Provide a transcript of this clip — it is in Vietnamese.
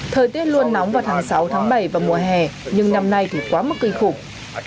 thời tiết luôn nóng vào tháng sáu tháng bảy và mùa hè nhưng năm nay thì quá mức kinh khủng